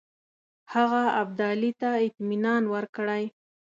هغه ابدالي ته اطمینان ورکړی.